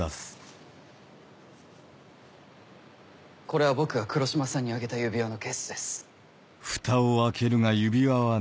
これは僕が黒島さんにあげた指輪のケースです。